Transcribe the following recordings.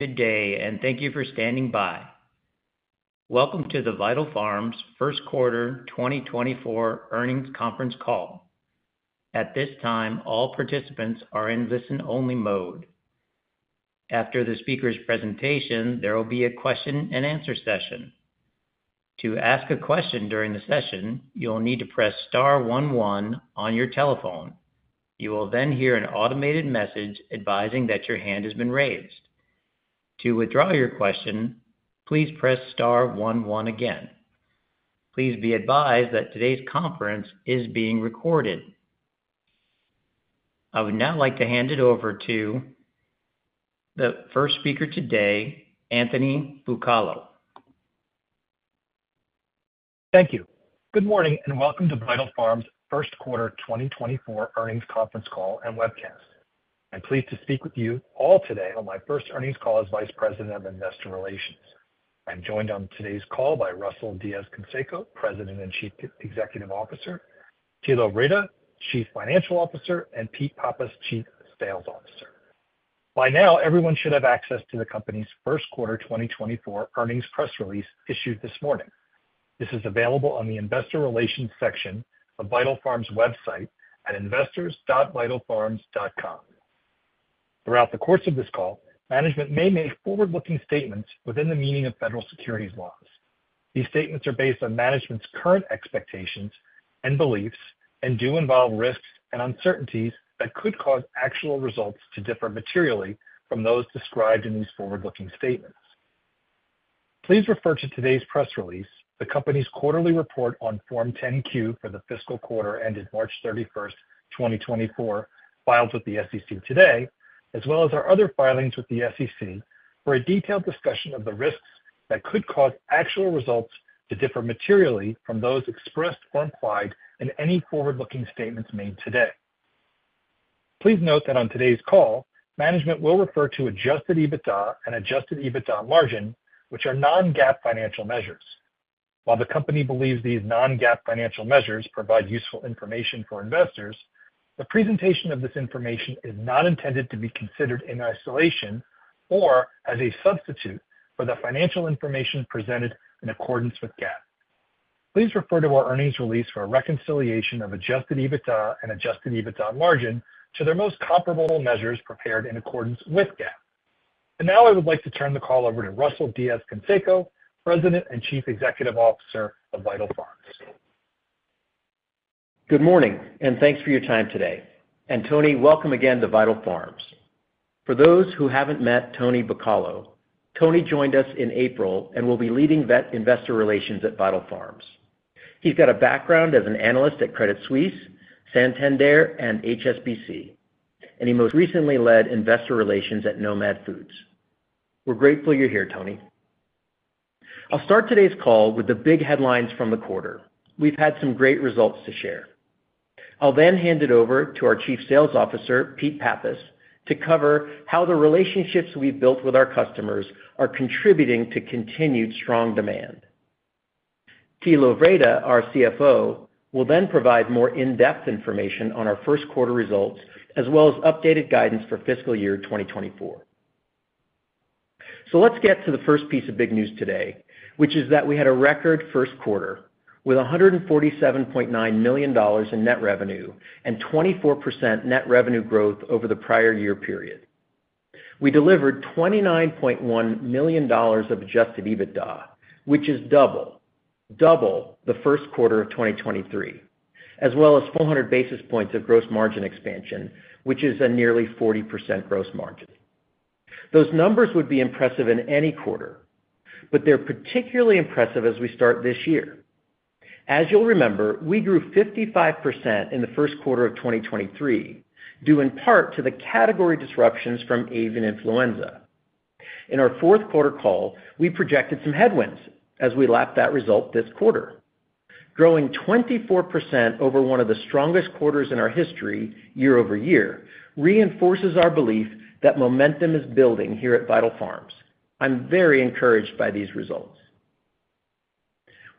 Good day, and thank you for standing by. Welcome to the Vital Farms' First Quarter 2024 Earnings Conference Call. At this time, all participants are in listen-only mode. After the speaker's presentation, there will be a question-and-answer session. To ask a question during the session, you'll need to press star one one on your telephone. You will then hear an automated message advising that your hand has been raised. To withdraw your question, please press star one one again. Please be advised that today's conference is being recorded. I would now like to hand it over to the first speaker today, Anthony Buccellato. Thank you. Good morning, and welcome to Vital Farms' Q1 2024 Earnings Conference Call and Webcast. I'm pleased to speak with you all today on my first earnings call as Vice President of Investor Relations. I'm joined on today's call by Russell Diez-Canseco, President and Chief Executive Officer, Thilo Wrede, Chief Financial Officer, and Peter Pappas, Chief Sales Officer. By now, everyone should have access to the company's first quarter 2024 earnings press release issued this morning. This is available on the Investor Relations section of Vital Farms' website at investors.vitalfarms.com. Throughout the course of this call, management may make forward-looking statements within the meaning of federal securities laws. These statements are based on management's current expectations and beliefs and do involve risks and uncertainties that could cause actual results to differ materially from those described in these forward-looking statements. Please refer to today's press release, the company's quarterly report on Form 10-Q for the fiscal quarter ended March 31st, 2024, filed with the SEC today, as well as our other filings with the SEC for a detailed discussion of the risks that could cause actual results to differ materially from those expressed or implied in any forward-looking statements made today. Please note that on today's call, management will refer to Adjusted EBITDA and Adjusted EBITDA margin, which are non-GAAP financial measures. While the company believes these non-GAAP financial measures provide useful information for investors, the presentation of this information is not intended to be considered in isolation or as a substitute for the financial information presented in accordance with GAAP. Please refer to our earnings release for a reconciliation of Adjusted EBITDA and Adjusted EBITDA margin to their most comparable measures prepared in accordance with GAAP. Now I would like to turn the call over to Russell Diez-Canseco, President and Chief Executive Officer of Vital Farms. Good morning, and thanks for your time today. Tony, welcome again to Vital Farms. For those who haven't met Tony Buccellato, Tony joined us in April and will be leading investor relations at Vital Farms. He's got a background as an analyst at Credit Suisse, Santander, and HSBC, and he most recently led investor relations at Nomad Foods. We're grateful you're here, Tony. I'll start today's call with the big headlines from the quarter. We've had some great results to share. I'll then hand it over to our Chief Sales Officer, Pete Pappas, to cover how the relationships we've built with our customers are contributing to continued strong demand. Thilo Wrede, our CFO, will then provide more in-depth information on our first quarter results, as well as updated guidance for fiscal year 2024. So let's get to the first piece of big news today, which is that we had a record first quarter with $147.9 million in net revenue and 24% net revenue growth over the prior year period. We delivered $29.1 million of Adjusted EBITDA, which is double, double the first quarter of 2023, as well as 400 basis points of gross margin expansion, which is a nearly 40% gross margin. Those numbers would be impressive in any quarter, but they're particularly impressive as we start this year. As you'll remember, we grew 55% in the first quarter of 2023, due in part to the category disruptions from avian influenza. In our fourth quarter call, we projected some headwinds as we lapped that result this quarter. Growing 24% over one of the strongest quarters in our history, year-over-year, reinforces our belief that momentum is building here at Vital Farms. I'm very encouraged by these results.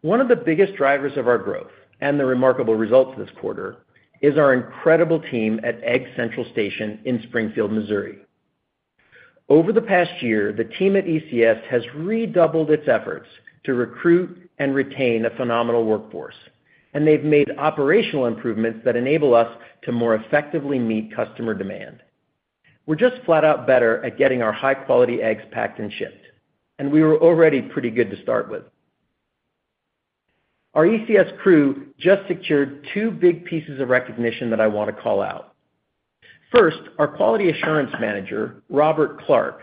One of the biggest drivers of our growth and the remarkable results this quarter is our incredible team at Egg Central Station in Springfield, Missouri. Over the past year, the team at ECS has redoubled its efforts to recruit and retain a phenomenal workforce, and they've made operational improvements that enable us to more effectively meet customer demand. We're just flat out better at getting our high-quality eggs packed and shipped, and we were already pretty good to start with. Our ECS crew just secured two big pieces of recognition that I want to call out. First, our Quality Assurance Manager, Robert Clark,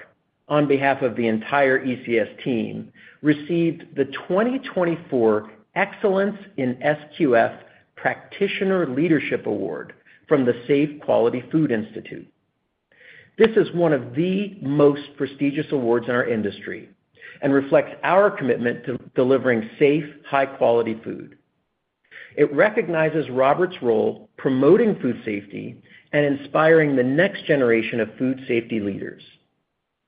on behalf of the entire ECS team, received the 2024 Excellence in SQF Practitioner Leadership Award from the Safe Quality Food Institute. This is one of the most prestigious awards in our industry and reflects our commitment to delivering safe, high-quality food. It recognizes Robert's role promoting food safety and inspiring the next generation of food safety leaders.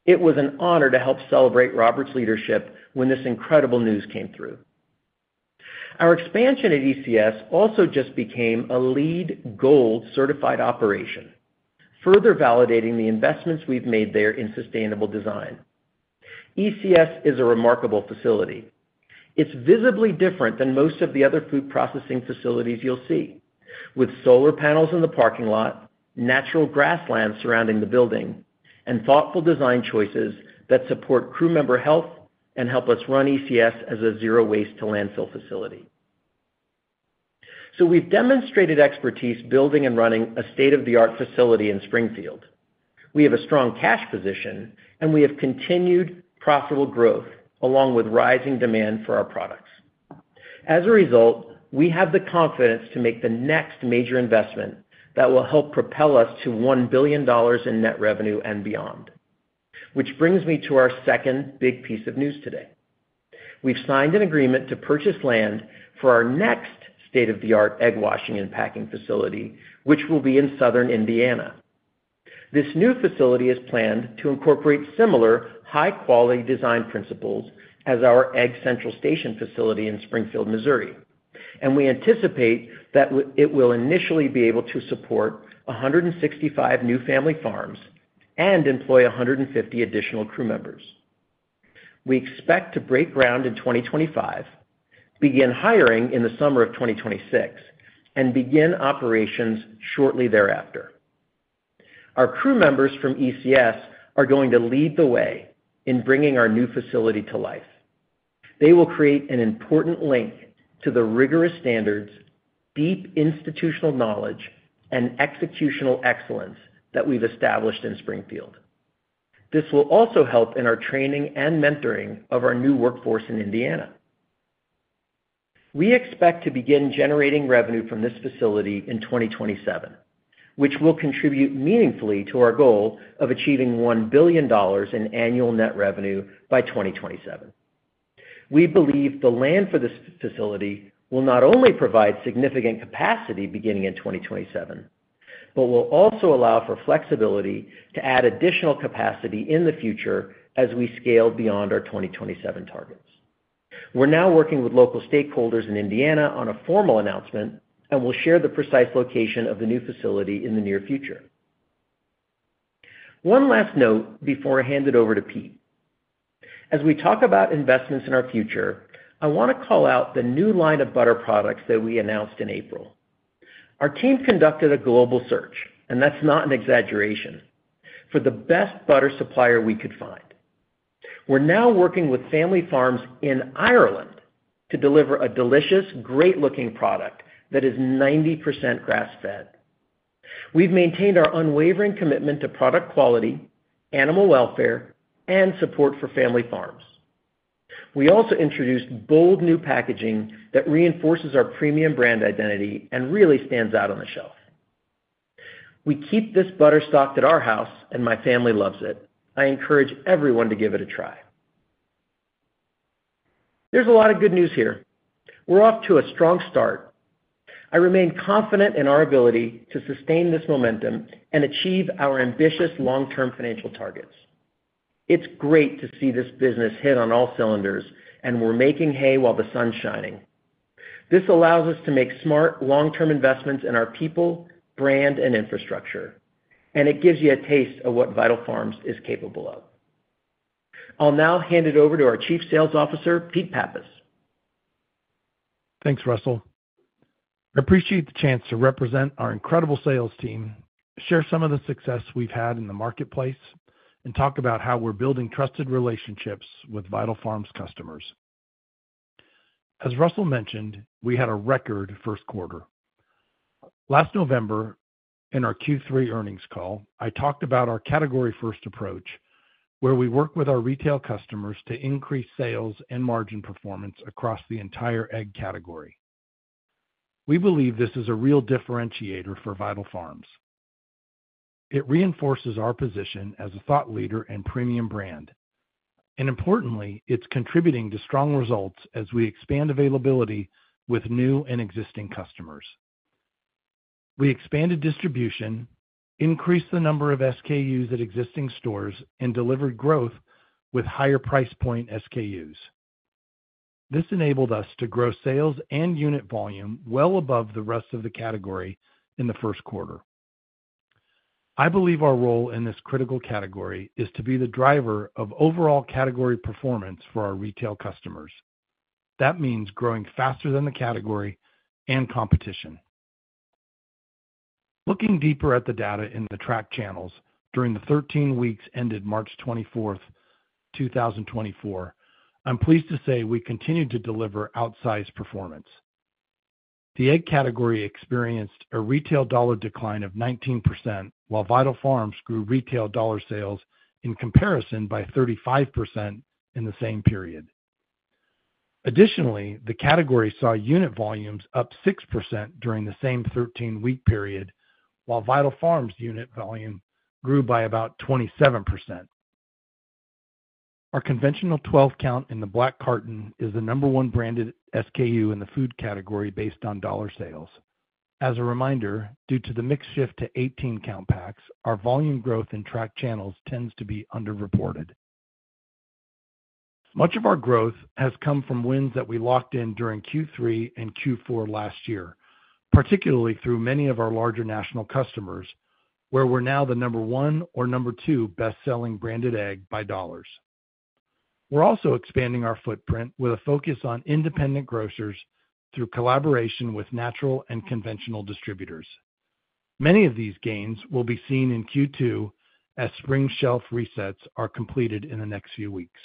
It was an honor to help celebrate Robert's leadership when this incredible news came through... Our expansion at ECS also just became a LEED Gold certified operation, further validating the investments we've made there in sustainable design. ECS is a remarkable facility. It's visibly different than most of the other food processing facilities you'll see, with solar panels in the parking lot, natural grasslands surrounding the building, and thoughtful design choices that support crew member health and help us run ECS as a zero waste to landfill facility. So we've demonstrated expertise building and running a state-of-the-art facility in Springfield. We have a strong cash position, and we have continued profitable growth, along with rising demand for our products. As a result, we have the confidence to make the next major investment that will help propel us to $1 billion in net revenue and beyond. Which brings me to our second big piece of news today. We've signed an agreement to purchase land for our next state-of-the-art egg washing and packing facility, which will be in southern Indiana. This new facility is planned to incorporate similar high-quality design principles as our Egg Central Station facility in Springfield, Missouri, and we anticipate that it will initially be able to support 165 new family farms and employ 150 additional crew members. We expect to break ground in 2025, begin hiring in the summer of 2026, and begin operations shortly thereafter. Our crew members from ECS are going to lead the way in bringing our new facility to life. They will create an important link to the rigorous standards, deep institutional knowledge, and executional excellence that we've established in Springfield. This will also help in our training and mentoring of our new workforce in Indiana. We expect to begin generating revenue from this facility in 2027, which will contribute meaningfully to our goal of achieving $1 billion in annual net revenue by 2027. We believe the land for this facility will not only provide significant capacity beginning in 2027, but will also allow for flexibility to add additional capacity in the future as we scale beyond our 2027 targets. We're now working with local stakeholders in Indiana on a formal announcement, and we'll share the precise location of the new facility in the near future. One last note before I hand it over to Pete. As we talk about investments in our future, I wanna call out the new line of butter products that we announced in April. Our team conducted a global search, and that's not an exaggeration, for the best butter supplier we could find. We're now working with family farms in Ireland to deliver a delicious, great-looking product that is 90% grass-fed. We've maintained our unwavering commitment to product quality, animal welfare, and support for family farms. We also introduced bold new packaging that reinforces our premium brand identity and really stands out on the shelf. We keep this butter stocked at our house, and my family loves it. I encourage everyone to give it a try. There's a lot of good news here. We're off to a strong start. I remain confident in our ability to sustain this momentum and achieve our ambitious long-term financial targets. It's great to see this business hit on all cylinders, and we're making hay while the sun's shining. This allows us to make smart, long-term investments in our people, brand, and infrastructure, and it gives you a taste of what Vital Farms is capable of. I'll now hand it over to our Chief Sales Officer, Pete Pappas. Thanks, Russell. I appreciate the chance to represent our incredible sales team, share some of the success we've had in the marketplace, and talk about how we're building trusted relationships with Vital Farms customers. As Russell mentioned, we had a record first quarter. Last November, in our Q3 earnings call, I talked about our category-first approach, where we work with our retail customers to increase sales and margin performance across the entire egg category. We believe this is a real differentiator for Vital Farms. It reinforces our position as a thought leader and premium brand, and importantly, it's contributing to strong results as we expand availability with new and existing customers. We expanded distribution, increased the number of SKUs at existing stores, and delivered growth with higher price point SKUs. This enabled us to grow sales and unit volume well above the rest of the category in the first quarter. I believe our role in this critical category is to be the driver of overall category performance for our retail customers. That means growing faster than the category and competition. Looking deeper at the data in the track channels during the 13 weeks ended March 24th, 2024, I'm pleased to say we continued to deliver outsized performance. The egg category experienced a retail dollar decline of 19%, while Vital Farms grew retail dollar sales in comparison by 35% in the same period. Additionally, the category saw unit volumes up 6% during the same 13-week period, while Vital Farms unit volume grew by about 27%. Our conventional 12-count in the black carton is the number one branded SKU in the food category based on dollar sales. As a reminder, due to the mix shift to 18-count packs, our volume growth in track channels tends to be underreported. Much of our growth has come from wins that we locked in during Q3 and Q4 last year, particularly through many of our larger national customers, where we're now the number one or number two best-selling branded egg by dollars. We're also expanding our footprint with a focus on independent grocers through collaboration with natural and conventional distributors. Many of these gains will be seen in Q2 as spring shelf resets are completed in the next few weeks.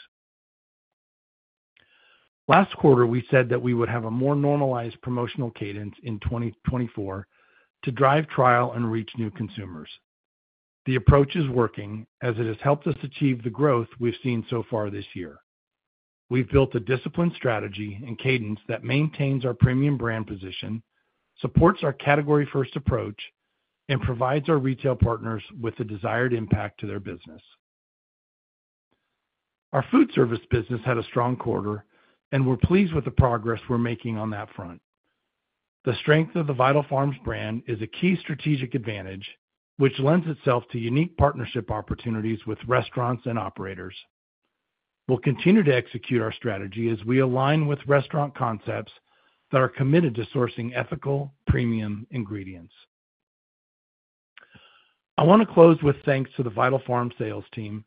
Last quarter, we said that we would have a more normalized promotional cadence in 2024 to drive trial and reach new consumers. The approach is working as it has helped us achieve the growth we've seen so far this year. We've built a disciplined strategy and cadence that maintains our premium brand position, supports our category-first approach, and provides our retail partners with the desired impact to their business. Our food service business had a strong quarter, and we're pleased with the progress we're making on that front. The strength of the Vital Farms brand is a key strategic advantage, which lends itself to unique partnership opportunities with restaurants and operators. We'll continue to execute our strategy as we align with restaurant concepts that are committed to sourcing ethical, premium ingredients. I want to close with thanks to the Vital Farms sales team,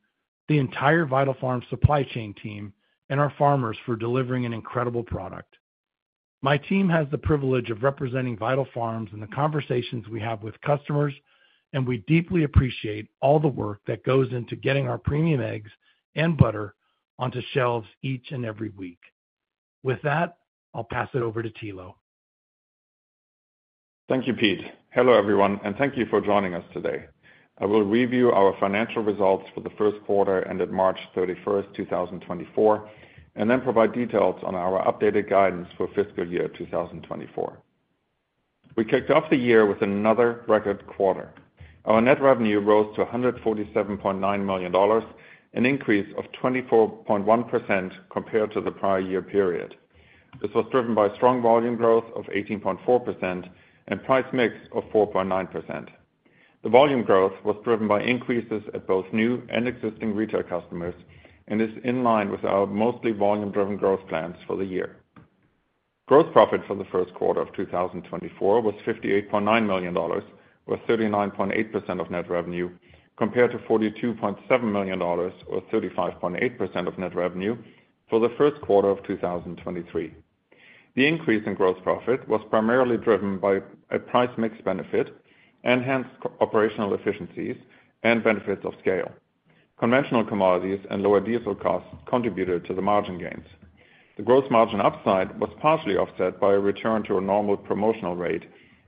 the entire Vital Farms supply chain team, and our farmers for delivering an incredible product. My team has the privilege of representing Vital Farms in the conversations we have with customers, and we deeply appreciate all the work that goes into getting our premium eggs and butter onto shelves each and every week. With that, I'll pass it over to Thilo. Thank you, Pete. Hello, everyone, and thank you for joining us today. I will review our financial results for the first quarter ended March 31st, 2024, and then provide details on our updated guidance for fiscal year 2024. We kicked off the year with another record quarter. Our net revenue rose to $147.9 million, an increase of 24.1% compared to the prior year period. This was driven by strong volume growth of 18.4% and price mix of 4.9%. The volume growth was driven by increases at both new and existing retail customers and is in line with our mostly volume-driven growth plans for the year. Gross profit for the first quarter of 2024 was $58.9 million, or 39.8% of net revenue, compared to $42.7 million, or 35.8% of net revenue for the first quarter of 2023. The increase in gross profit was primarily driven by a price mix benefit, enhanced operational efficiencies, and benefits of scale. Conventional commodities and lower diesel costs contributed to the margin gains. The gross margin upside was partially offset by a return to a normal promotional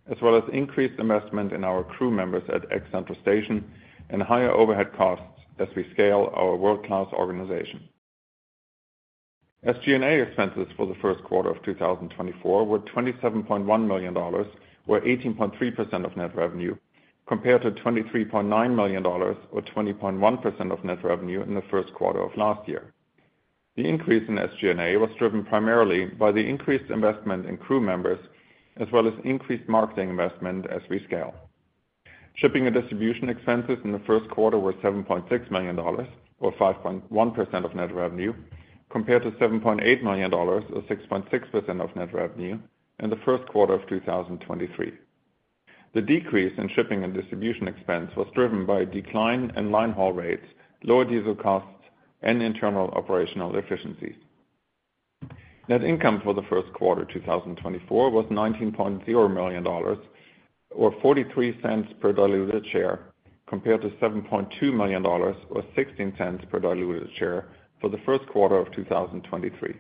rate, as well as increased investment in our crew members at Egg Central Station and higher overhead costs as we scale our world-class organization. SG&A expenses for the first quarter of 2024 were $27.1 million, or 18.3% of net revenue, compared to $23.9 million, or 20.1% of net revenue, in the first quarter of last year. The increase in SG&A was driven primarily by the increased investment in crew members, as well as increased marketing investment as we scale. Shipping and distribution expenses in the first quarter were $7.6 million, or 5.1% of net revenue, compared to $7.8 million, or 6.6% of net revenue, in the first quarter of 2023. The decrease in shipping and distribution expense was driven by a decline in line haul rates, lower diesel costs, and internal operational efficiencies. Net income for the first quarter of 2024 was $19.0 million, or $0.43 per diluted share, compared to $7.2 million, or $0.16 per diluted share, for the first quarter of 2023.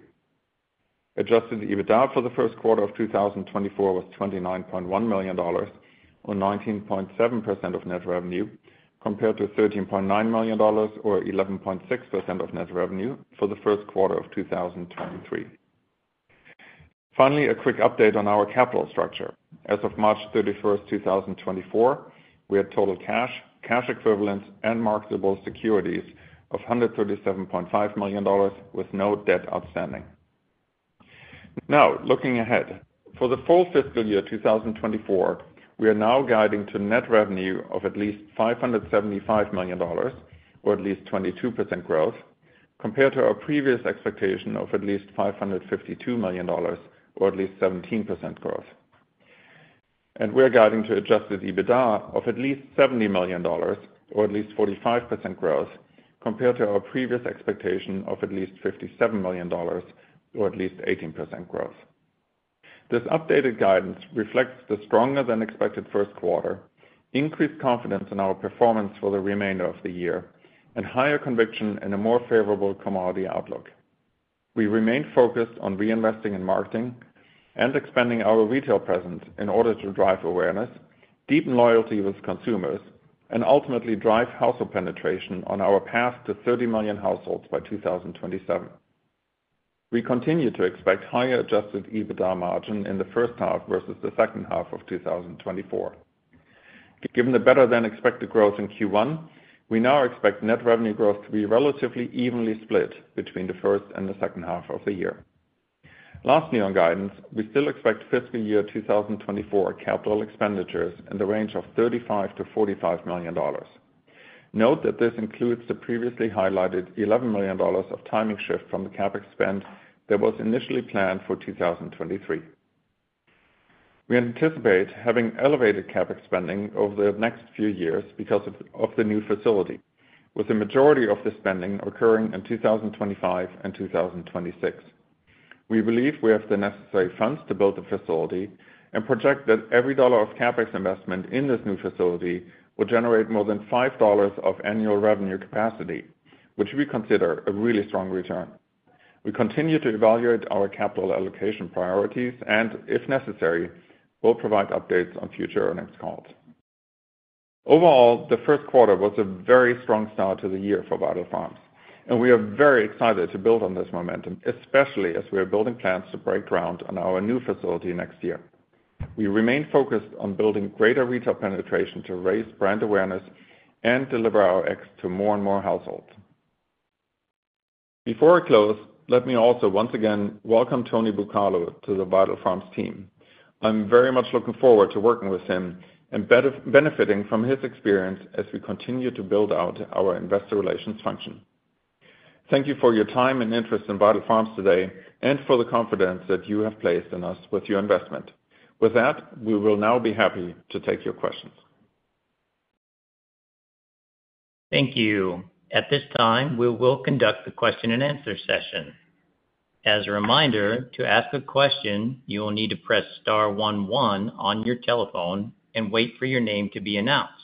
Adjusted EBITDA for the first quarter of 2024 was $29.1 million, or 19.7% of net revenue, compared to $13.9 million, or 11.6% of net revenue, for the first quarter of 2023. Finally, a quick update on our capital structure. As of March 31st, 2024, we had total cash, cash equivalents, and marketable securities of $137.5 million, with no debt outstanding. Now, looking ahead. For the full fiscal year 2024, we are now guiding to net revenue of at least $575 million, or at least 22% growth, compared to our previous expectation of at least $552 million or at least 17% growth. We are guiding to Adjusted EBITDA of at least $70 million, or at least 45% growth, compared to our previous expectation of at least $57 million, or at least 18% growth. This updated guidance reflects the stronger than expected first quarter, increased confidence in our performance for the remainder of the year, and higher conviction in a more favorable commodity outlook. We remain focused on reinvesting in marketing and expanding our retail presence in order to drive awareness, deepen loyalty with consumers, and ultimately drive household penetration on our path to 30 million households by 2027. We continue to expect higher Adjusted EBITDA margin in the first half versus the second half of 2024. Given the better-than-expected growth in Q1, we now expect net revenue growth to be relatively evenly split between the first and the second half of the year. Lastly, on guidance, we still expect fiscal year 2024 capital expenditures in the range of $35 million-$45 million. Note that this includes the previously highlighted $11 million of timing shift from the CapEx spend that was initially planned for 2023. We anticipate having elevated CapEx spending over the next few years because of the new facility, with the majority of the spending occurring in 2025 and 2026. We believe we have the necessary funds to build the facility and project that every dollar of CapEx investment in this new facility will generate more than $5 of annual revenue capacity, which we consider a really strong return. We continue to evaluate our capital allocation priorities, and if necessary, we'll provide updates on future earnings calls. Overall, the first quarter was a very strong start to the year for Vital Farms, and we are very excited to build on this momentum, especially as we are building plans to break ground on our new facility next year. We remain focused on building greater retail penetration to raise brand awareness and deliver our eggs to more and more households. Before I close, let me also once again welcome Tony Buccellato to the Vital Farms team. I'm very much looking forward to working with him and benefiting from his experience as we continue to build out our investor relations function. Thank you for your time and interest in Vital Farms today and for the confidence that you have placed in us with your investment. With that, we will now be happy to take your questions. Thank you. At this time, we will conduct the question and answer session. As a reminder, to ask a question, you will need to press star one, one on your telephone and wait for your name to be announced.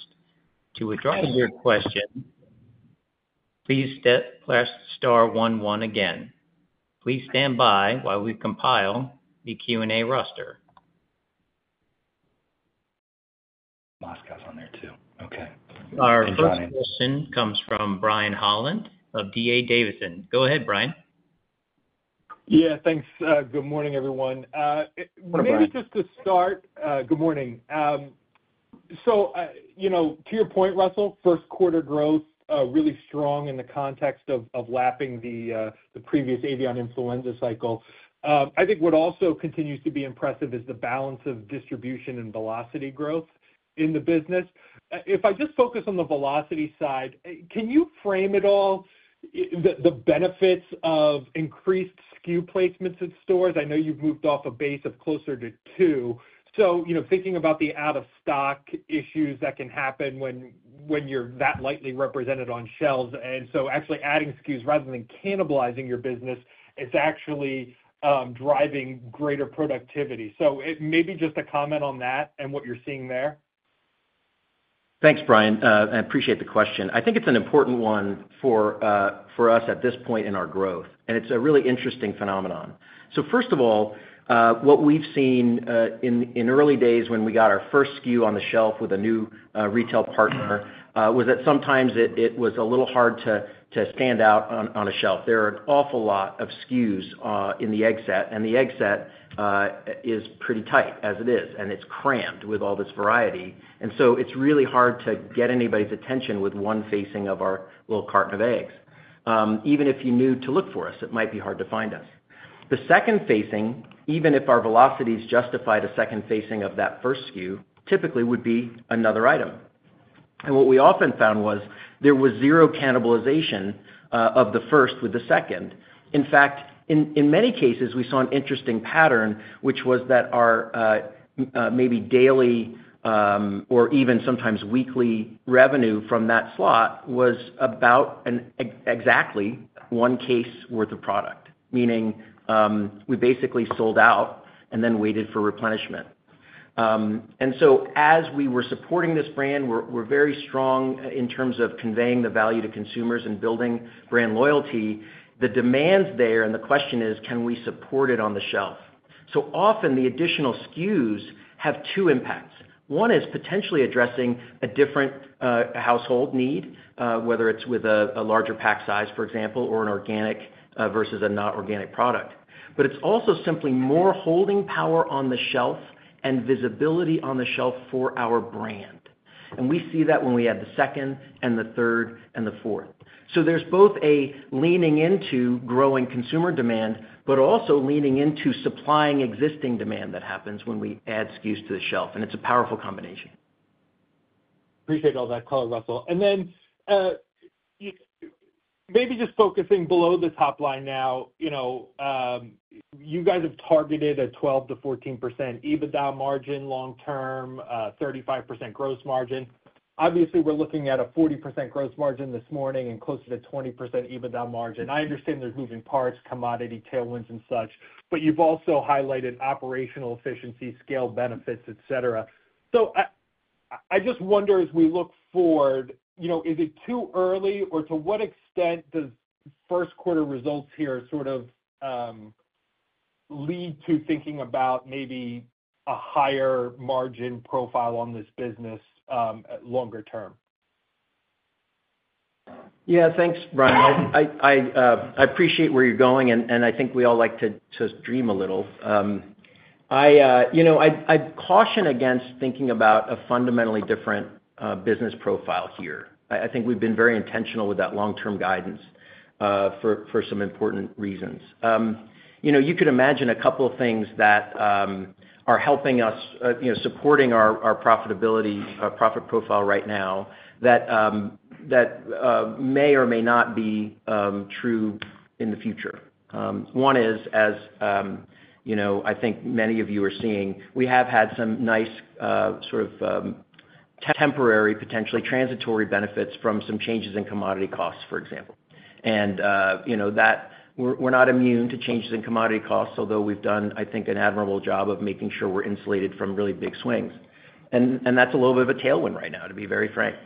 To withdraw your question, please press star one, one again. Please stand by while we compile the Q&A roster. Moskow's on there, too. Okay. Our first question comes from Brian Holland of D.A. Davidson. Go ahead, Brian. Yeah, thanks. Good morning, everyone. Good morning. Maybe just to start, good morning. So, you know, to your point, Russell, first quarter growth really strong in the context of lapping the previous avian influenza cycle. I think what also continues to be impressive is the balance of distribution and velocity growth in the business. If I just focus on the velocity side, can you frame at all the benefits of increased SKU placements at stores? I know you've moved off a base of closer to two. So, you know, thinking about the out-of-stock issues that can happen when you're that lightly represented on shelves, and so actually adding SKUs rather than cannibalizing your business, is actually driving greater productivity. So, maybe just a comment on that and what you're seeing there. Thanks, Brian. I appreciate the question. I think it's an important one for, for us at this point in our growth, and it's a really interesting phenomenon. So first of all, what we've seen, in, in early days when we got our first SKU on the shelf with a new, retail partner, was that sometimes it, it was a little hard to, to stand out on, on a shelf. There are an awful lot of SKUs, in the egg set, and the egg set, is pretty tight as it is, and it's crammed with all this variety. And so it's really hard to get anybody's attention with one facing of our little carton of eggs. Even if you knew to look for us, it might be hard to find us. The second facing, even if our velocities justify the second facing of that first SKU, typically would be another item. What we often found was there was 0 cannibalization of the first with the second. In fact, in many cases, we saw an interesting pattern, which was that our maybe daily, or even sometimes weekly revenue from that slot was about exactly one case worth of product, meaning we basically sold out and then waited for replenishment. And so as we were supporting this brand, we're very strong in terms of conveying the value to consumers and building brand loyalty. The demand's there, and the question is, can we support it on the shelf? Often, the additional SKUs have two impacts. One is potentially addressing a different, household need, whether it's with a, a larger pack size, for example, or an organic, versus a not organic product. But it's also simply more holding power on the shelf and visibility on the shelf for our brand. And we see that when we add the second and the third and the fourth. So there's both a leaning into growing consumer demand, but also leaning into supplying existing demand that happens when we add SKUs to the shelf, and it's a powerful combination. Appreciate all that color, Russell. And then, maybe just focusing below the top line now, you know, you guys have targeted a 12%-14% EBITDA margin long term, 35% gross margin. Obviously, we're looking at a 40% gross margin this morning and closer to 20% EBITDA margin. I understand there's moving parts, commodity tailwinds and such, but you've also highlighted operational efficiency, scale benefits, et cetera. So I just wonder, as we look forward, you know, is it too early, or to what extent does first quarter results here sort of lead to thinking about maybe a higher margin profile on this business, longer term? Yeah, thanks, Brian. I appreciate where you're going, and I think we all like to dream a little. You know, I'd caution against thinking about a fundamentally different business profile here. I think we've been very intentional with that long-term guidance for some important reasons. You know, you could imagine a couple of things that are helping us, you know, supporting our profitability, our profit profile right now, that may or may not be true in the future. One is, as you know, I think many of you are seeing, we have had some nice sort of temporary, potentially transitory benefits from some changes in commodity costs, for example. And, you know, that we're not immune to changes in commodity costs, although we've done, I think, an admirable job of making sure we're insulated from really big swings. And that's a little bit of a tailwind right now, to be very frank.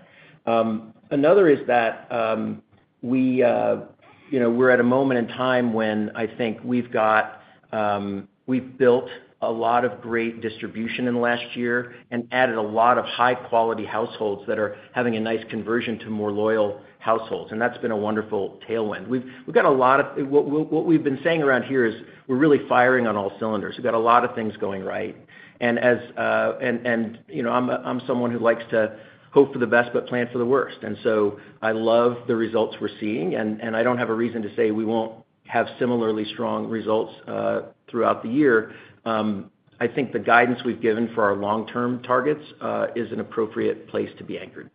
Another is that we, you know, we're at a moment in time when I think we've built a lot of great distribution in the last year and added a lot of high-quality households that are having a nice conversion to more loyal households, and that's been a wonderful tailwind. We've got a lot of what we've been saying around here is we're really firing on all cylinders. We've got a lot of things going right, and as... And, you know, I'm someone who likes to hope for the best, but plan for the worst. And so I love the results we're seeing, and I don't have a reason to say we won't have similarly strong results throughout the year. I think the guidance we've given for our long-term targets is an appropriate place to be anchored.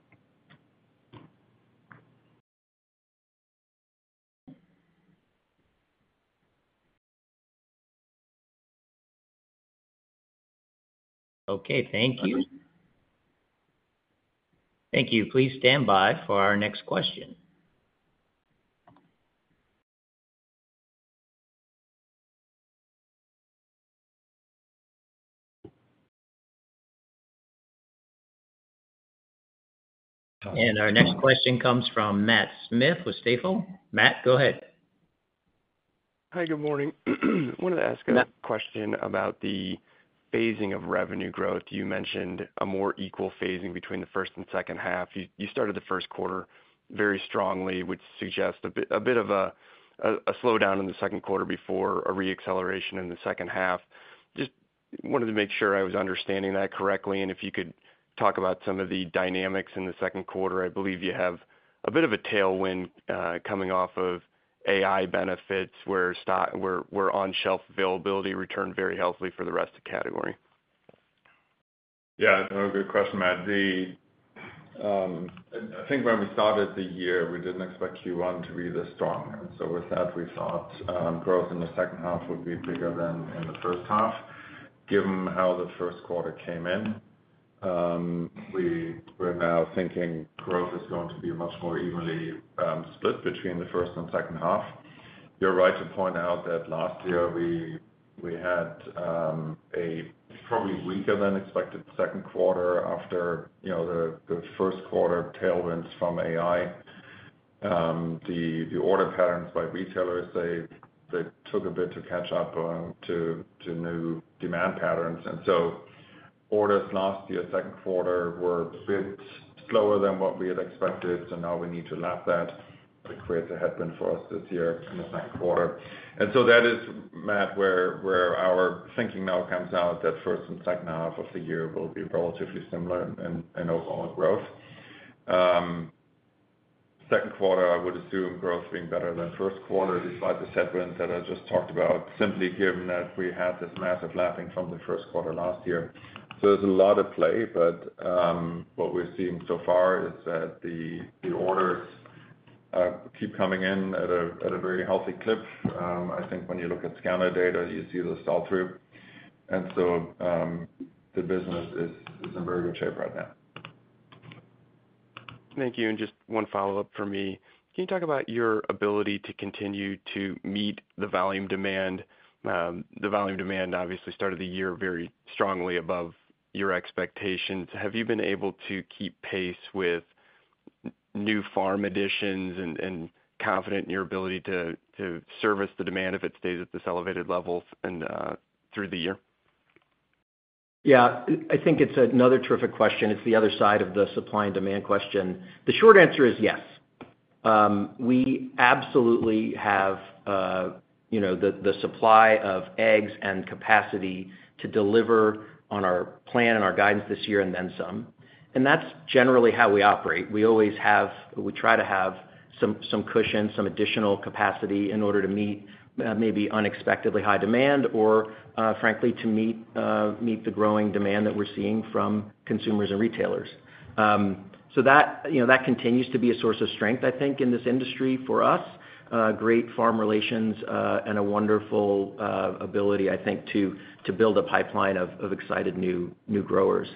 Okay, thank you. Thank you. Please stand by for our next question. Our next question comes from Matt Smith with Stifel. Matt, go ahead. Hi, good morning. Wanted to ask a- Matt... question about the phasing of revenue growth. You mentioned a more equal phasing between the first and second half. You started the first quarter very strongly, which suggests a bit of a slowdown in the second quarter before a re-acceleration in the second half. Just wanted to make sure I was understanding that correctly, and if you could talk about some of the dynamics in the second quarter. I believe you have a bit of a tailwind coming off of AI benefits, where on-shelf availability returned very healthily for the rest of category. Yeah, no, good question, Matt. I think when we started the year, we didn't expect Q1 to be this strong. And so with that, we thought growth in the second half would be bigger than in the first half. Given how the first quarter came in, we're now thinking growth is going to be much more evenly split between the first and second half. You're right to point out that last year we had a probably weaker than expected second quarter after, you know, the first quarter tailwinds from AI. The order patterns by retailers, they took a bit to catch up on to new demand patterns, and so orders last year, second quarter, were a bit slower than what we had expected, so now we need to lap that. It creates a headwind for us this year in the second quarter. So that is, Matt, where our thinking now comes out, that first and second half of the year will be relatively similar in overall growth. Second quarter, I would assume growth being better than first quarter, despite the headwinds that I just talked about, simply given that we had this massive lapping from the first quarter last year. So there's a lot at play, but what we're seeing so far is that the orders keep coming in at a very healthy clip. I think when you look at scanner data, you see the sell-through. So the business is in very good shape right now. Thank you, and just one follow-up for me. Can you talk about your ability to continue to meet the volume demand? The volume demand obviously started the year very strongly above your expectations. Have you been able to keep pace with new farm additions and confident in your ability to service the demand if it stays at this elevated levels and through the year? Yeah. I think it's another terrific question. It's the other side of the supply and demand question. The short answer is yes. We absolutely have, you know, the supply of eggs and capacity to deliver on our plan and our guidance this year and then some, and that's generally how we operate. We always have. We try to have some cushion, some additional capacity in order to meet maybe unexpectedly high demand or, frankly, to meet the growing demand that we're seeing from consumers and retailers. So that, you know, that continues to be a source of strength, I think, in this industry for us. Great farm relations and a wonderful ability, I think, to build a pipeline of excited new growers.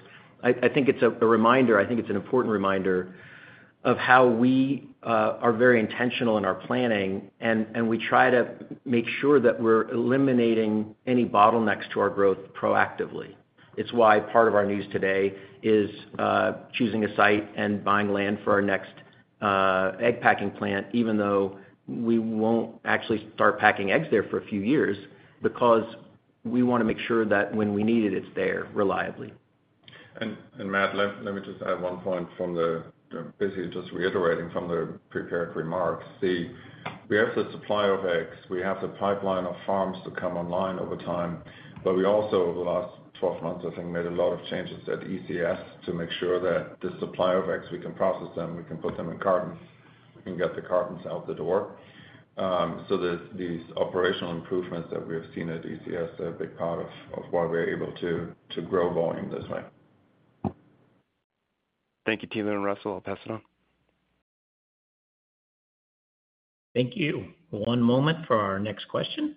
I think it's an important reminder of how we are very intentional in our planning, and we try to make sure that we're eliminating any bottlenecks to our growth proactively. It's why part of our news today is choosing a site and buying land for our next egg packing plant, even though we won't actually start packing eggs there for a few years, because we wanna make sure that when we need it, it's there reliably.... And Matt, let me just add one point from the basically just reiterating from the prepared remarks. We have the supply of eggs, we have the pipeline of farms to come online over time, but we also over the last 12 months, I think, made a lot of changes at ECS to make sure that the supply of eggs, we can process them, we can put them in cartons, we can get the cartons out the door. So these operational improvements that we have seen at ECS are a big part of why we're able to grow volume this way. Thank you, Thilo and Russell. I'll pass it on. Thank you. One moment for our next question.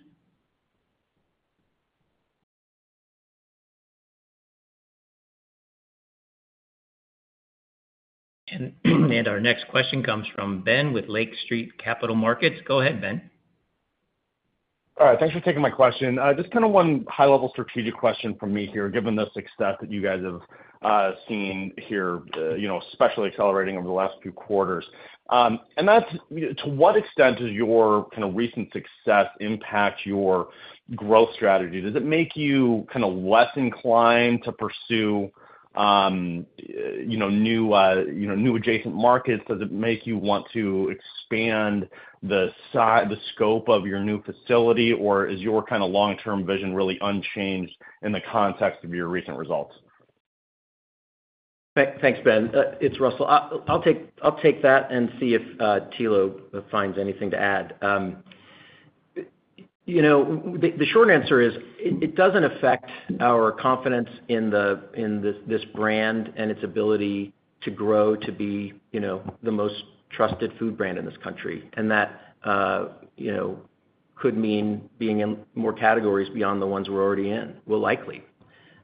Our next question comes from Ben with Lake Street Capital Markets. Go ahead, Ben. All right, thanks for taking my question. Just kind of one high-level strategic question from me here, given the success that you guys have seen here, you know, especially accelerating over the last few quarters. That's, you know, to what extent does your kind of recent success impact your growth strategy? Does it make you kind of less inclined to pursue, you know, new, you know, new adjacent markets? Does it make you want to expand the scope of your new facility? Or is your kind of long-term vision really unchanged in the context of your recent results? Thanks, Ben. It's Russell. I'll take that and see if Thilo finds anything to add. You know, the short answer is, it doesn't affect our confidence in this brand and its ability to grow to be, you know, the most trusted food brand in this country. And that, you know, could mean being in more categories beyond the ones we're already in, will likely.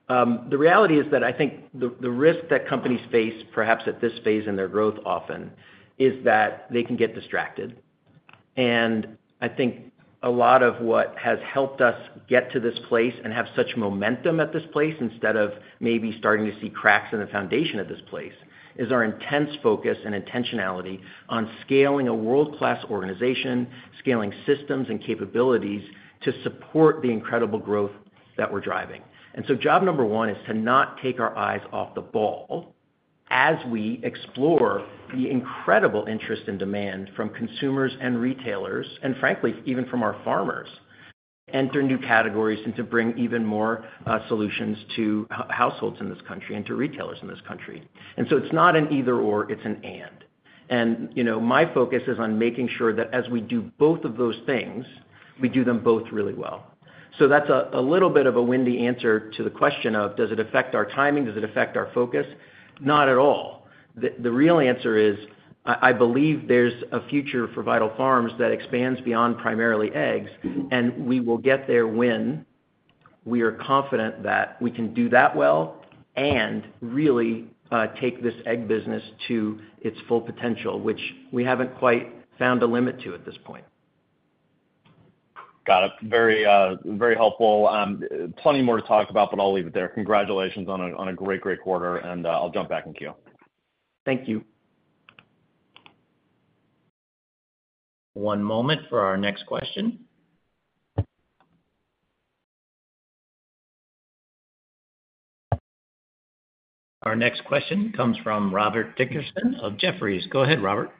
The reality is that I think the risk that companies face, perhaps at this phase in their growth often, is that they can get distracted. And I think a lot of what has helped us get to this place and have such momentum at this place, instead of maybe starting to see cracks in the foundation of this place, is our intense focus and intentionality on scaling a world-class organization, scaling systems and capabilities to support the incredible growth that we're driving. And so job number one is to not take our eyes off the ball as we explore the incredible interest and demand from consumers and retailers, and frankly, even from our farmers, enter new categories and to bring even more solutions to households in this country and to retailers in this country. And so it's not an either/or, it's an and. And, you know, my focus is on making sure that as we do both of those things, we do them both really well. So that's a little bit of a windy answer to the question of: Does it affect our timing? Does it affect our focus? Not at all. The real answer is, I believe there's a future for Vital Farms that expands beyond primarily eggs, and we will get there when we are confident that we can do that well and really take this egg business to its full potential, which we haven't quite found a limit to at this point. Got it. Very, very helpful. Plenty more to talk about, but I'll leave it there. Congratulations on a great, great quarter, and I'll jump back in queue. Thank you. One moment for our next question. Our next question comes from Robert Dickerson of Jefferies. Go ahead, Robert.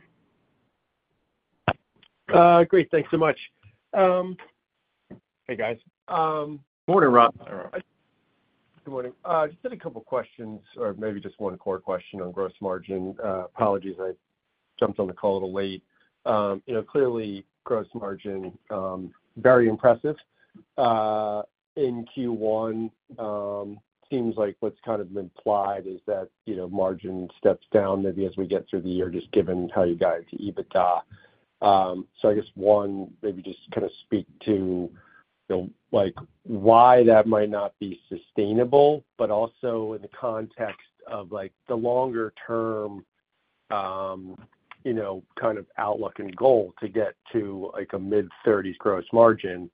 Great. Thanks so much. Hey, guys. Morning, Rob. Good morning. Just had a couple questions, or maybe just one core question on gross margin. Apologies, I jumped on the call a little late. You know, clearly, gross margin, very impressive. In Q1, seems like what's kind of implied is that, you know, margin steps down maybe as we get through the year, just given how you guide to EBITDA. So I guess, one, maybe just kind of speak to, you know, like, why that might not be sustainable, but also in the context of, like, the longer term, you know, kind of outlook and goal to get to, like, a mid-thirties gross margin,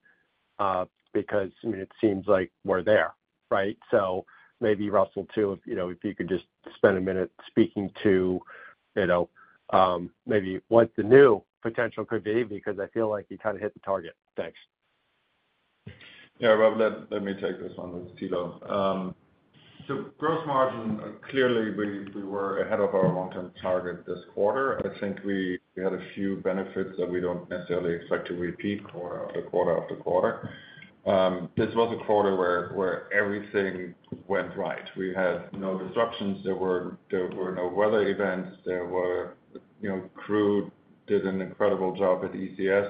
because, I mean, it seems like we're there, right? So maybe Russell, too, if, you know, if you could just spend a minute speaking to, you know, maybe what the new potential could be, because I feel like you kind of hit the target. Thanks. Yeah, Rob, let me take this one with Thilo. So gross margin, clearly, we were ahead of our long-term target this quarter. I think we had a few benefits that we don't necessarily expect to repeat quarter after quarter after quarter. This was a quarter where everything went right. We had no disruptions, there were no weather events, there were, you know, crew did an incredible job at ECS.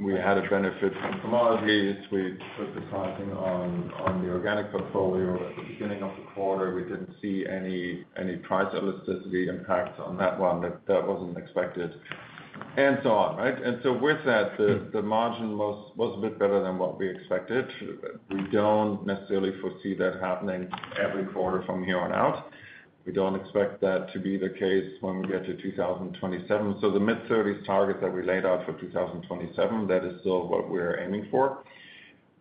We had a benefit from commodities. We put the pricing on the organic portfolio at the beginning of the quarter. We didn't see any price elasticity impact on that one, that wasn't expected, and so on, right? And so with that, the margin was a bit better than what we expected. We don't necessarily foresee that happening every quarter from here on out. We don't expect that to be the case when we get to 2027. So the mid-30's target that we laid out for 2027, that is still what we're aiming for.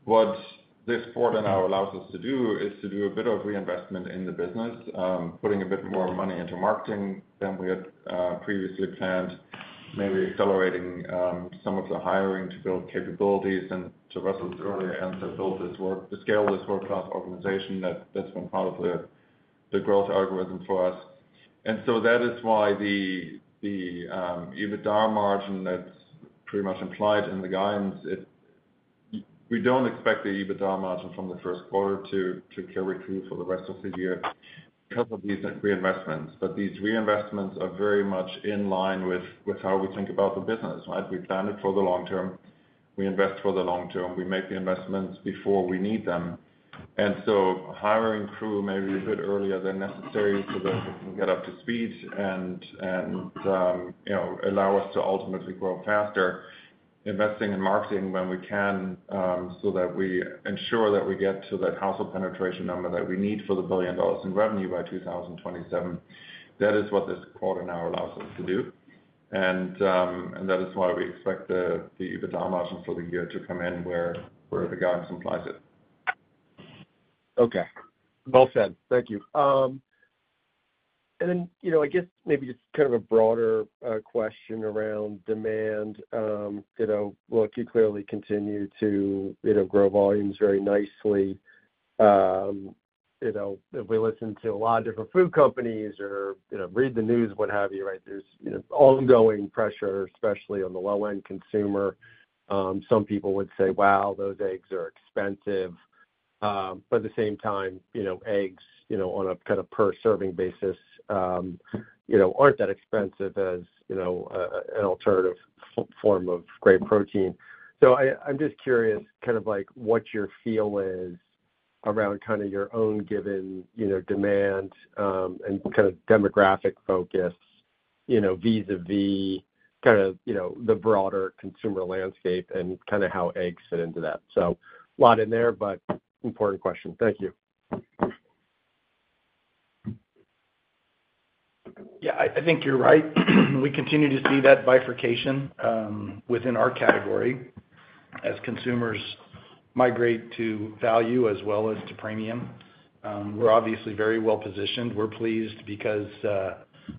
What this quarter now allows us to do is to do a bit of reinvestment in the business, putting a bit more money into marketing than we had previously planned. Maybe accelerating some of the hiring to build capabilities and to Russell's earlier answer, build this to scale this world-class organization, that's been part of the EBITDA margin that's pretty much implied in the guidance. We don't expect the EBITDA margin from the first quarter to carry through for the rest of the year because of these reinvestments. But these reinvestments are very much in line with how we think about the business, right? We plan it for the long term, we invest for the long term, we make the investments before we need them. And so hiring crew may be a bit earlier than necessary so that we can get up to speed and you know, allow us to ultimately grow faster. Investing in marketing when we can, so that we ensure that we get to that household penetration number that we need for $1 billion in revenue by 2027. That is what this quarter now allows us to do. And that is why we expect the EBITDA margin for the year to come in where the guidance implies it. Okay, well said. Thank you. And then, you know, I guess maybe just kind of a broader question around demand. You know, look, you clearly continue to, you know, grow volumes very nicely. You know, if we listen to a lot of different food companies or, you know, read the news, what have you, right, there's, you know, ongoing pressure, especially on the low-end consumer. Some people would say, "Wow, those eggs are expensive." But at the same time, you know, eggs, you know, on a kind of per serving basis, you know, aren't that expensive as, you know, an alternative form of great protein. So I'm just curious, kind of like, what your feel is around kind of your own given, you know, demand, and kind of demographic focus, you know, vis-a-vis kind of, you know, the broader consumer landscape and kind of how eggs fit into that. So a lot in there, but important question. Thank you. Yeah, I think you're right. We continue to see that bifurcation within our category as consumers migrate to value as well as to premium. We're obviously very well positioned. We're pleased because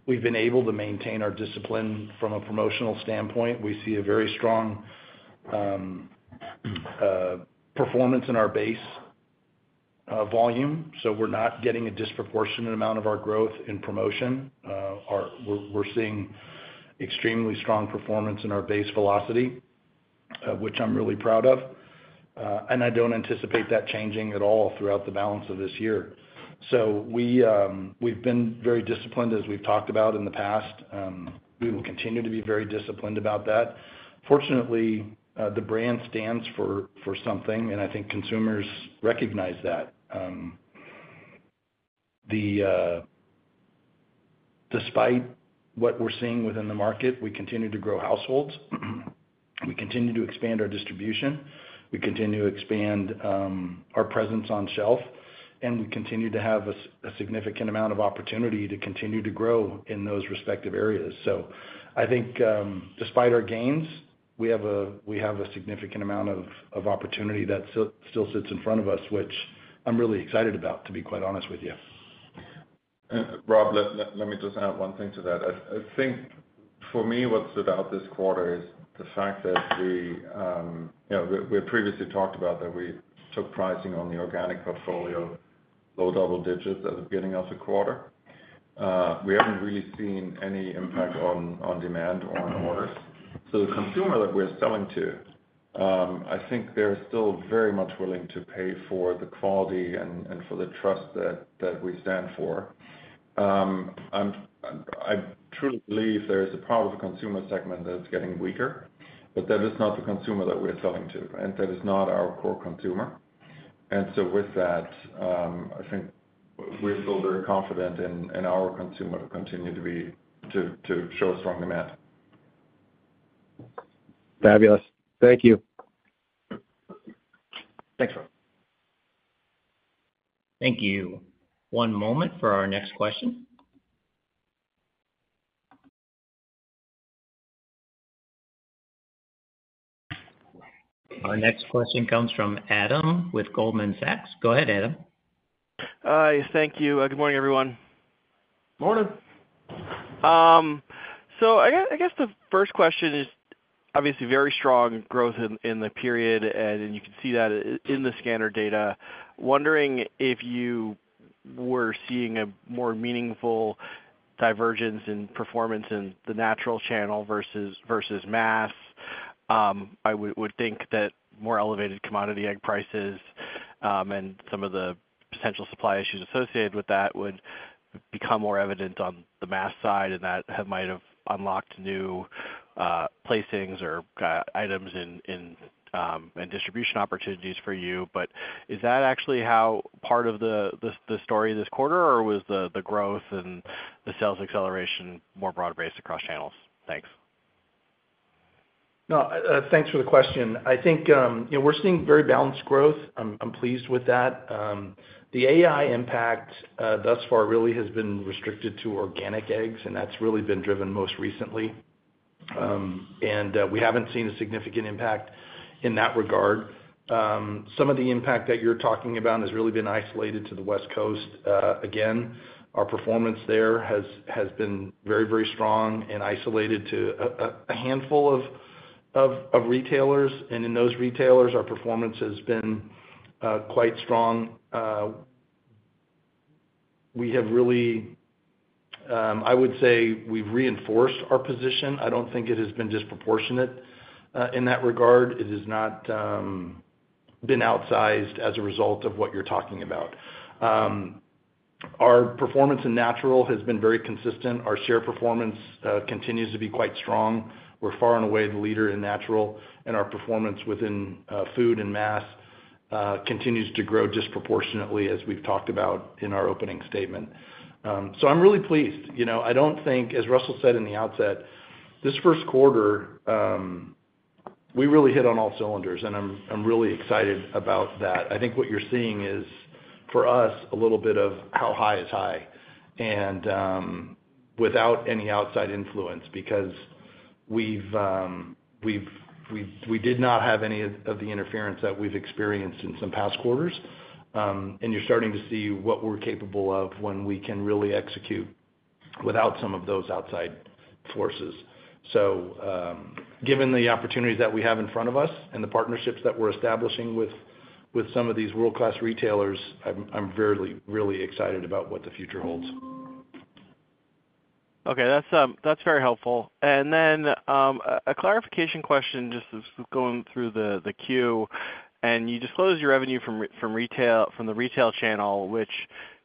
we've been able to maintain our discipline from a promotional standpoint. We see a very strong performance in our base volume, so we're not getting a disproportionate amount of our growth in promotion. We're seeing extremely strong performance in our base velocity, which I'm really proud of. And I don't anticipate that changing at all throughout the balance of this year. So we've been very disciplined, as we've talked about in the past. We will continue to be very disciplined about that. Fortunately, the brand stands for something, and I think consumers recognize that. Despite what we're seeing within the market, we continue to grow households. We continue to expand our distribution, we continue to expand our presence on shelf, and we continue to have a significant amount of opportunity to continue to grow in those respective areas. So I think, despite our gains, we have a significant amount of opportunity that still sits in front of us, which I'm really excited about, to be quite honest with you. And Rob, let me just add one thing to that. I think for me, what's about this quarter is the fact that we, you know, we previously talked about that we took pricing on the organic portfolio, low double digits at the beginning of the quarter. We haven't really seen any impact on demand or on orders. So the consumer that we're selling to, I think they're still very much willing to pay for the quality and for the trust that we stand for. I truly believe there is a part of the consumer segment that is getting weaker, but that is not the consumer that we're selling to, and that is not our core consumer. So with that, I think we're still very confident in our consumer to continue to show strong demand. Fabulous. Thank you. Thanks, Rob. Thank you. One moment for our next question. Our next question comes from Adam with Goldman Sachs. Go ahead, Adam. Hi, thank you. Good morning, everyone. Morning! So I guess the first question is obviously very strong growth in the period, and you can see that in the scanner data. Wondering if you were seeing a more meaningful divergence in performance in the natural channel versus mass. I would think that more elevated commodity egg prices and some of the potential supply issues associated with that would become more evident on the mass side, and that might have unlocked new placements or items in and distribution opportunities for you. But is that actually how part of the story this quarter, or was the growth and the sales acceleration more broad-based across channels? Thanks. No, thanks for the question. I think, you know, we're seeing very balanced growth. I'm pleased with that. The AI impact thus far really has been restricted to organic eggs, and that's really been driven most recently. We haven't seen a significant impact in that regard. Some of the impact that you're talking about has really been isolated to the West Coast. Again, our performance there has been very, very strong and isolated to a handful of retailers, and in those retailers, our performance has been quite strong. We have really, I would say we've reinforced our position. I don't think it has been disproportionate in that regard. It has not been outsized as a result of what you're talking about. Our performance in natural has been very consistent. Our share performance continues to be quite strong. We're far and away the leader in natural, and our performance within food and mass continues to grow disproportionately, as we've talked about in our opening statement. So I'm really pleased. You know, I don't think, as Russell said in the outset, this first quarter, we really hit on all cylinders, and I'm really excited about that. I think what you're seeing is, for us, a little bit of how high is high, and without any outside influence, because we did not have any of the interference that we've experienced in some past quarters. And you're starting to see what we're capable of when we can really execute without some of those outside forces. So, given the opportunities that we have in front of us and the partnerships that we're establishing with some of these world-class retailers, I'm really, really excited about what the future holds. Okay. That's very helpful. And then a clarification question, just as going through the queue. And you disclose your revenue from retail, from the retail channel, which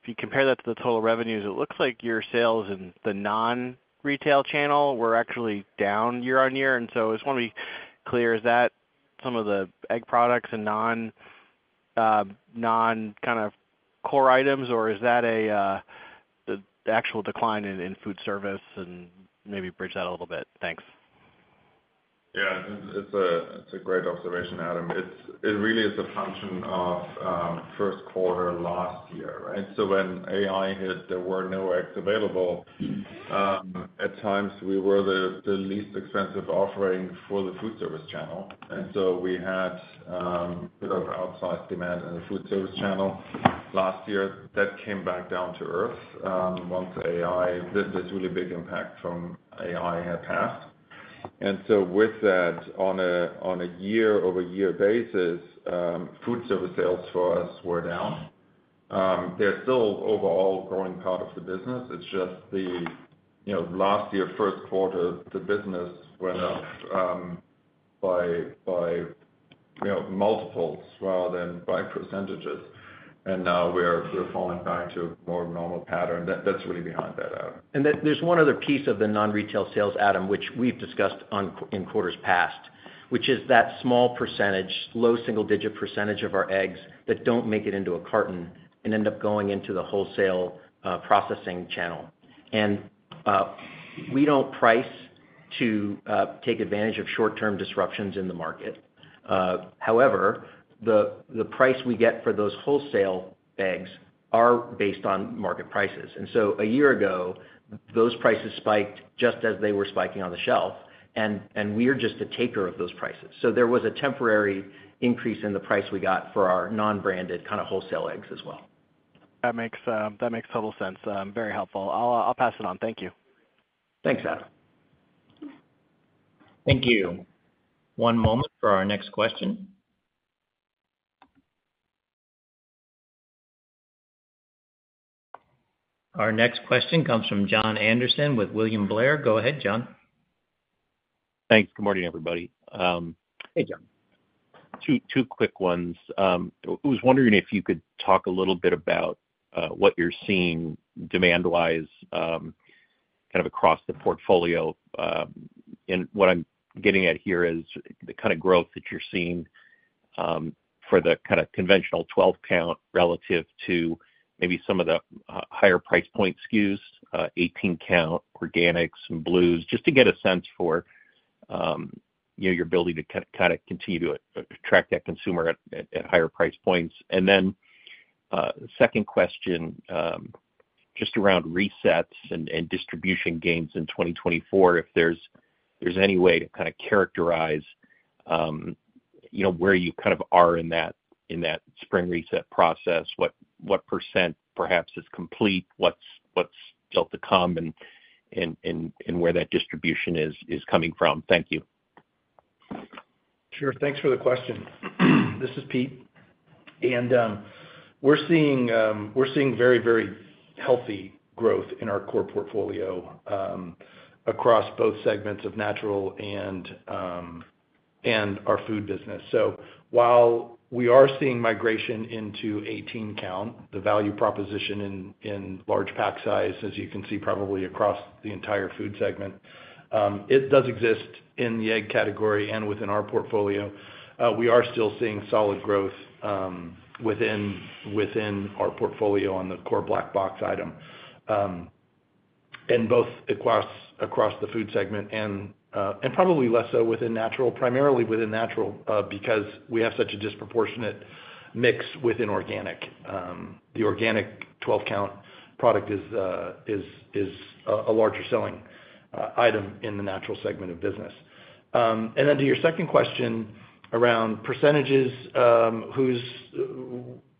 if you compare that to the total revenues, it looks like your sales in the non-retail channel were actually down year-on-year. And so I just want to be clear, is that some of the egg products and non-kind of core items, or is that the actual decline in food service? And maybe bridge that a little bit. Thanks. Yeah, it's a great observation, Adam. It really is a function of first quarter last year, right? So when AI hit, there were no eggs available. At times, we were the least expensive offering for the food service channel, and so we had bit of outsized demand in the food service channel last year. That came back down to earth once AI... This really big impact from AI had passed. And so with that, on a year-over-year basis, food service sales for us were down. They're still overall growing part of the business. It's just the, you know, last year, first quarter, the business went up by you know multiples rather than by percentages. And now we're falling back to a more normal pattern. That's really behind that, Adam. And then there's one other piece of the non-retail sales, Adam, which we've discussed in quarters past, which is that small percentage, low single-digit percentage of our eggs that don't make it into a carton and end up going into the wholesale, processing channel. And, we don't price to take advantage of short-term disruptions in the market. However, the price we get for those wholesale eggs are based on market prices. And so a year ago, those prices spiked just as they were spiking on the shelf, and we're just a taker of those prices. So there was a temporary increase in the price we get for our non-branded kind of wholesale eggs as well. That makes, that makes total sense. Very helpful. I'll pass it on. Thank you. Thanks, Adam. Thank you. One moment for our next question. Our next question comes from Jon Andersen with William Blair. Go ahead, John. Thanks. Good morning, everybody. Hey, John. Two quick ones. I was wondering if you could talk a little bit about what you're seeing demand-wise kind of across the portfolio. And what I'm getting at here is the kind of growth that you're seeing for the kind of conventional 12-count relative to maybe some of the higher price point SKUs, 18-count, organics, and blues, just to get a sense for you know, your ability to kind of continue to attract that consumer at higher price points. And then, second question, just around resets and distribution gains in 2024, if there's any way to kind of characterize, you know, where you kind of are in that spring reset process, what percent perhaps is complete, what's still to come, and where that distribution is coming from? Thank you. Sure. Thanks for the question. This is Pete. We're seeing very, very healthy growth in our core portfolio across both segments of natural and our food business. So while we are seeing migration into 18-count, the value proposition in large pack size, as you can see probably across the entire food segment, it does exist in the egg category and within our portfolio. We are still seeing solid growth within our portfolio on the core black box item and both across the food segment and probably less so within natural, primarily within natural, because we have such a disproportionate mix within organic. The organic 12-count product is a larger selling item in the natural segment of business. And then to your second question around percentages, which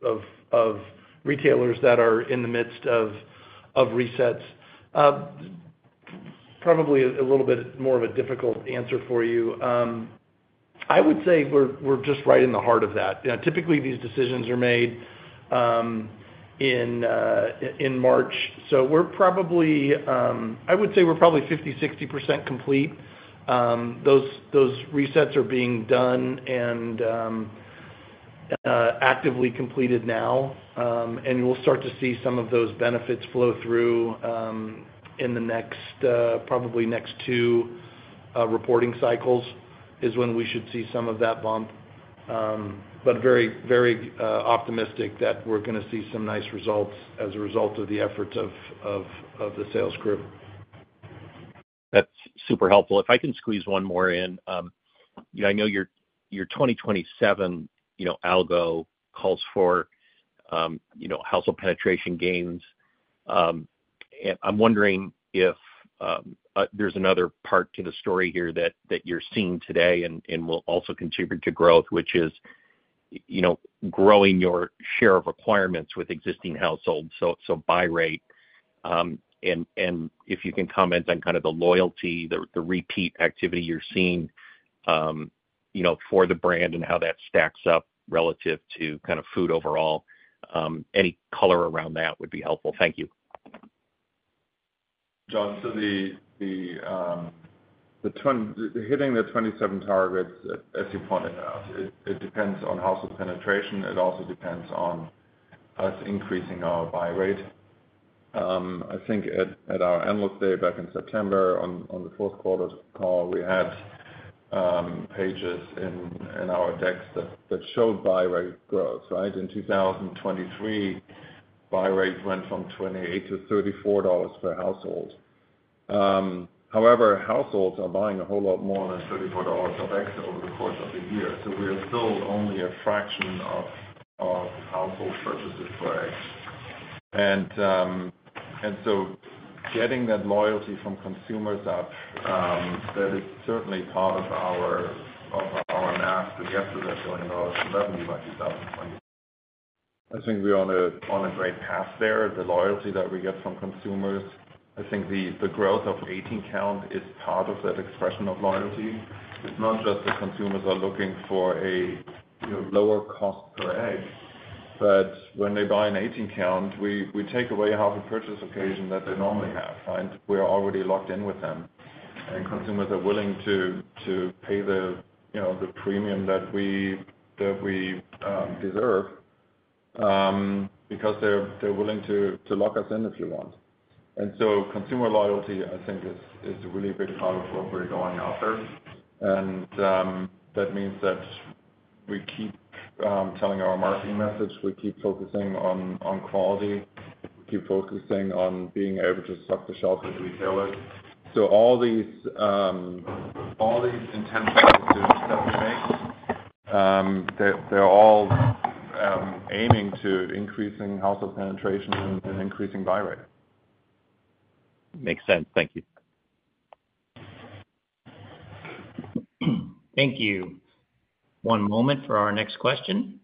of those retailers that are in the midst of resets. Probably a little bit more of a difficult answer for you. I would say we're just right in the heart of that. You know, typically, these decisions are made in March, so we're probably, I would say we're probably 50%-60% complete. Those resets are being done and actively completed now. And we'll start to see some of those benefits flow through in the next, probably next two reporting cycles, is when we should see some of that bump. But very, very optimistic that we're gonna see some nice results as a result of the efforts of the sales group. That's super helpful. If I can squeeze one more in. Yeah, I know your, your 2027, you know, algo calls for, you know, household penetration gains. And I'm wondering if, there's another part to the story here that, that you're seeing today and, and will also contribute to growth, which is, you know, growing your share of requirements with existing households, so, so buy rate. And, if you can comment on kind of the loyalty, the, the repeat activity you're seeing, you know, for the brand and how that stacks up relative to kind of food overall. Any color around that would be helpful. Thank you. Jon, so the hitting the 27 targets, as you pointed out, it depends on household penetration. It also depends on us increasing our buy rate. I think at our analyst day back in September, on the fourth quarter's call, we had pages in our decks that showed buy rate growth, right? In 2023, buy rates went from $28-$34 per household. However, households are buying a whole lot more than $34 of eggs over the course of the year. So we are still only a fraction of household purchases for eggs. And so getting that loyalty from consumers up, that is certainly part of our math that gets us to going to our revenue by 2020. I think we're on a great path there. The loyalty that we get from consumers, I think the growth of 18-count is part of that expression of loyalty. It's not just that consumers are looking for a, you know, lower cost per egg, but when they buy an 18-count, we take away half the purchase occasion that they normally have, right? We're already locked in with them, and consumers are willing to pay the, you know, the premium that we deserve, because they're willing to lock us in, if you want. And so consumer loyalty, I think, is a really big part of where we're going out there. That means that we keep telling our marketing message, we keep focusing on quality, keep focusing on being able to stock the shelf with retailers. So all these intentional decisions that we make, they're all aiming to increasing household penetration and increasing buy rate. Makes sense. Thank you. Thank you. One moment for our next question.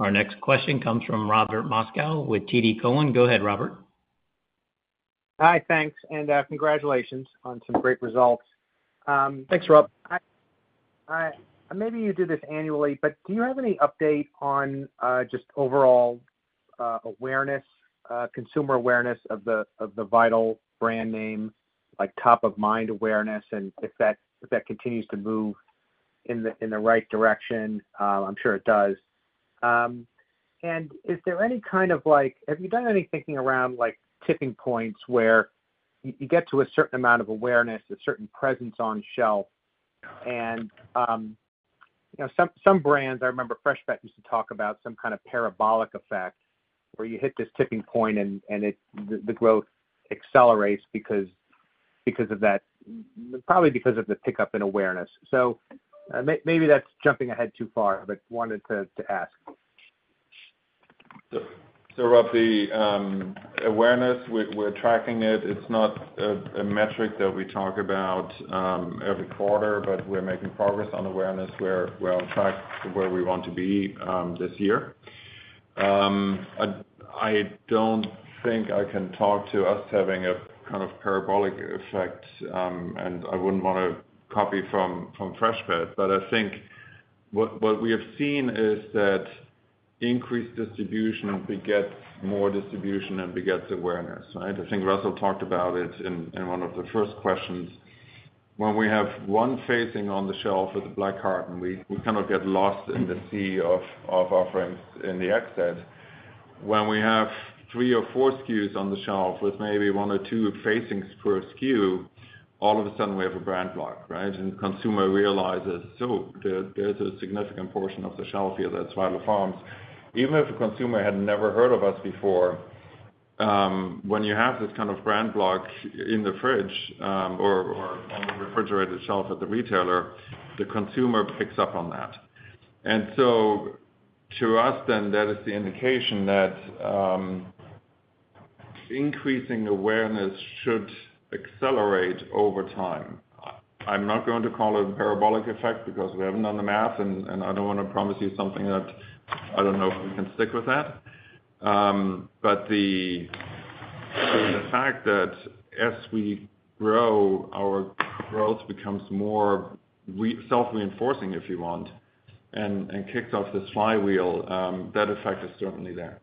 Our next question comes from Robert Moskow with TD Cowen. Go ahead, Robert. Hi, thanks, and congratulations on some great results. Thanks, Rob. Maybe you do this annually, but do you have any update on just overall awareness, consumer awareness of the Vital brand name, like top of mind awareness, and if that continues to move in the right direction? I'm sure it does. And is there any kind of like, have you done any thinking around like tipping points, where you get to a certain amount of awareness, a certain presence on shelf, and you know, some brands, I remember Freshpet used to talk about some kind of parabolic effect, where you hit this tipping point and it... The growth accelerates because of that, probably because of the pickup in awareness. So maybe that's jumping ahead too far, but wanted to ask. So, Rob, the awareness, we're tracking it. It's not a metric that we talk about every quarter, but we're making progress on awareness. We're on track to where we want to be this year. I don't think I can talk to us having a kind of parabolic effect, and I wouldn't want to copy from Freshpet. But I think what we have seen is that increased distribution begets more distribution and begets awareness, right? I think Russell talked about it in one of the first questions. When we have one facing on the shelf with a black carton, we kind of get lost in the sea of offerings in the egg set. When we have three or four SKUs on the shelf, with maybe one or two facings per SKU, all of a sudden we have a brand block, right? Consumer realizes, "So there's a significant portion of the shelf here that's Vital Farms." Even if a consumer had never heard of us before, when you have this kind of brand block in the fridge, or on the refrigerated shelf at the retailer, the consumer picks up on that. So to us then, that is the indication that increasing awareness should accelerate over time. I'm not going to call it a parabolic effect because we haven't done the math, and I don't want to promise you something that I don't know if we can stick with that. But the fact that as we grow, our growth becomes more self-reinforcing, if you want, and kicks off this flywheel, that effect is certainly there.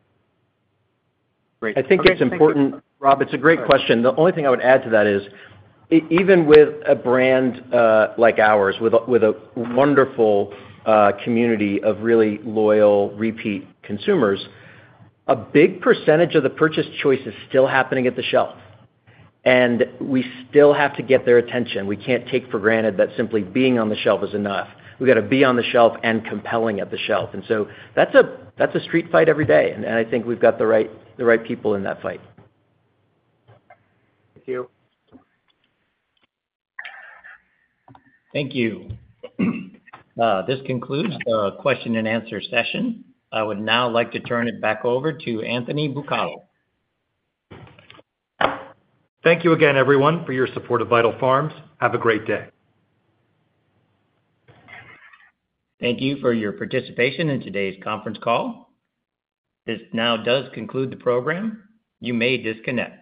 Great. I think it's important... Rob, it's a great question. The only thing I would add to that is even with a brand like ours, with a wonderful community of really loyal, repeat consumers, a big percentage of the purchase choice is still happening at the shelf, and we still have to get their attention. We can't take for granted that simply being on the shelf is enough. We've got to be on the shelf and compelling at the shelf. And so that's a street fight every day, and I think we've got the right people in that fight. Thank you. Thank you. This concludes the question and answer session. I would now like to turn it back over to Anthony Buccellato. Thank you again, everyone, for your support of Vital Farms. Have a great day. Thank you for your participation in today's conference call. This now does conclude the program. You may disconnect.